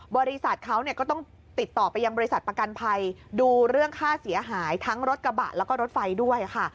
บริษัทเขาก็ต้องติดต่อไปยังบริษัทประกันภัยดูเรื่องค่าเสียหายทั้งรถกระบะแล้วก็รถไฟด้วยค่ะ